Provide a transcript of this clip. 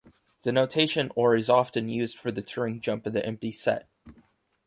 The notation or is often used for the Turing jump of the empty set.